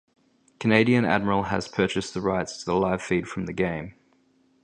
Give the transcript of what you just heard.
Canadian Admiral has purchased the rights to the live feed from the game.